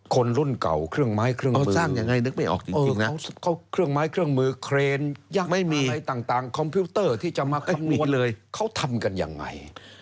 คนรุ่นเก่าเครื่องไม้เครื่องมือเครื่องไม้เครื่องมือเครนยักษ์อะไรต่างคอมพิวเตอร์ที่จะมาคำนวณเลยเค้าทำกันยังไง